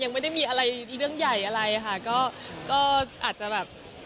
ยังไม่ได้มีอะไรเรื่องใหญ่อะไรค่ะก็อาจจะแบบ